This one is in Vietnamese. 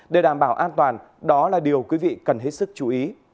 để đảm bảo an toàn đó là điều quý vị cần hết sức chú ý